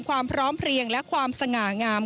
ความพร้อมเพลียงและความสง่างาม